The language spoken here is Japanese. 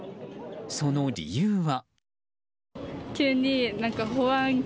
その理由は。